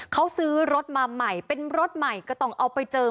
เขาซื้อรถมาใหม่เป็นรถใหม่ก็ต้องเอาไปเจอ